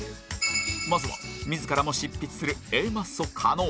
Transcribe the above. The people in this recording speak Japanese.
まずは自らも執筆する Ａ マッソ加納